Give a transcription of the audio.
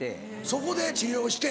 そこで治療して？